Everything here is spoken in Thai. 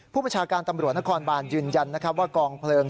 ประชาการตำรวจนครบานยืนยันนะครับว่ากองเพลิง